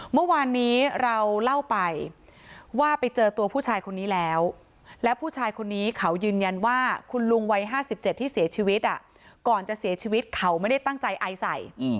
เมื่อวานนี้เราเล่าไปว่าไปเจอตัวผู้ชายคนนี้แล้วแล้วผู้ชายคนนี้เขายืนยันว่าคุณลุงวัย๕๗ที่เสียชีวิตก่อนจะเสียชีวิตเขาไม่ได้ตั้งใจไอใส่